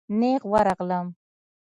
نېغ ورغلم.